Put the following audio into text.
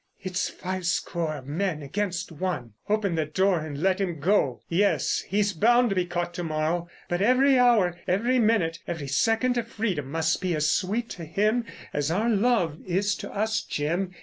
"It's five score of men against one. Open the door and let him go. Yes, he's bound to be caught to morrow, but every hour, every minute, every second of freedom must be as sweet to him as our love is to us, Jim.